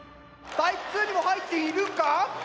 タイプ２にも入っています！